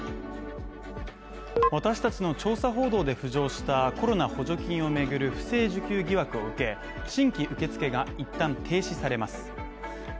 私たちの調査報道で浮上したコロナ補助金を巡る不正受給疑惑を受け、新規受付が一旦停止されます。